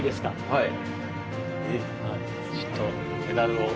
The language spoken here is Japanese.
はい。